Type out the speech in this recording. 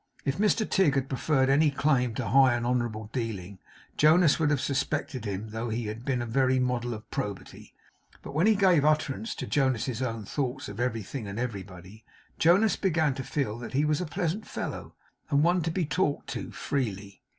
If Mr Tigg had preferred any claim to high and honourable dealing, Jonas would have suspected him though he had been a very model of probity; but when he gave utterance to Jonas's own thoughts of everything and everybody, Jonas began to feel that he was a pleasant fellow, and one to be talked to freely.